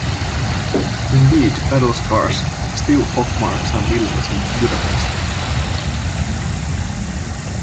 Indeed, battle scars still pockmark some buildings in Budapest.